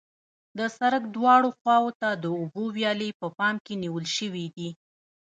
د سرک دواړو خواو ته د اوبو ویالې په پام کې نیول شوې دي